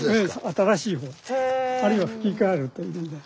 新しい方あるいはふき替えるというね。